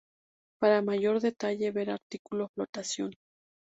Para mayor detalle, ver artículo Flotación.